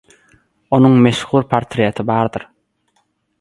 Onuň meşhur portreti bardyr.